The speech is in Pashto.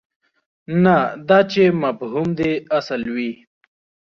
نه دا چې مفهوم دې اصل وي.